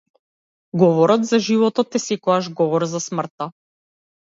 Говорот за животот е секогаш говор за смртта.